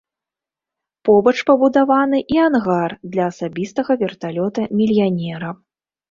Побач пабудаваны і ангар для асабістага верталёта мільянера.